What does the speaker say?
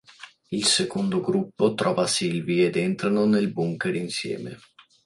Il secondo gruppo trova Sylvie ed entrano nel bunker insieme.